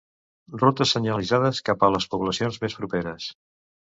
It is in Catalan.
Rutes senyalitzades cap a les poblacions més properes.